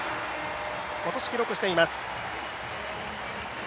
今年記録しています。